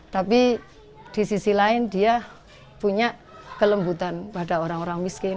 tapi di sisi lain dia punya kelembutan pada orang orang miskin